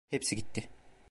Hepsi gitti.